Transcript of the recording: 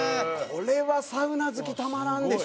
これはサウナ好きたまらんでしょ！